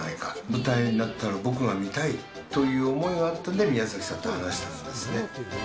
舞台になったら、僕が見たいという思いがあったんで、宮崎さんと話したんですね。